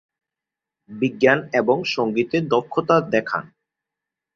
বিজ্ঞান এবং সঙ্গীতে দক্ষতা দেখান।